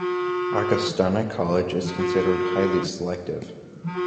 Augustana College is considered highly selective.